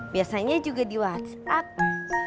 biasanya juga di whatsapp